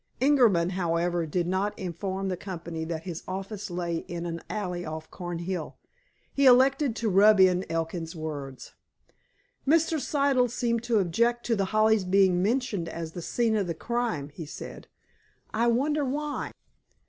Ingerman, however, did not inform the company that his office lay in an alley off Cornhill. He elected to rub in Elkin's words. "Mr. Siddle seemed to object to The Hollies being mentioned as the scene of the crime," he said. "I wonder why?"